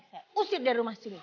saya usir dari rumah sini